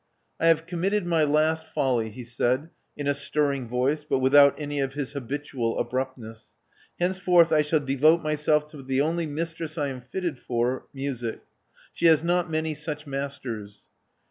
'*! have committed my last folly," he said, in astir ring voice, but without any of his habitual abruptness. ''Henceforth I shall devote myself to the only mistress I am fitted for, Music. She has not many such masters.